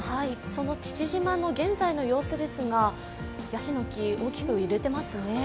その父島の現在の様子ですが、ヤシの木、大きく揺れていますね。